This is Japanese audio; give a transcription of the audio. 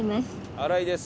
新井です。